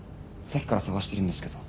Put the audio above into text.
さっきから捜してるんですけど。